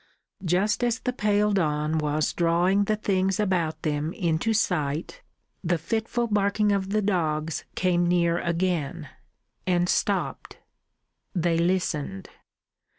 Just as the pale dawn was drawing the things about them into sight, the fitful barking of dogs came near again, and stopped. They listened.